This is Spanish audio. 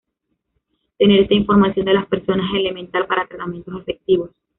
Tener esta información de las personas es elemental para tratamientos efectivos.